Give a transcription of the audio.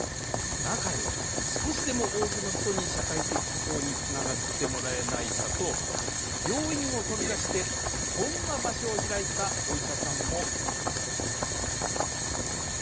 中には、少しでも多くの人に社会的処方につながってもらえないかと、病院を飛び出して、こんな場所を開いたお医者さんもいます。